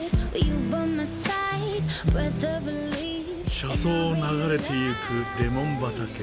車窓を流れていくレモン畑。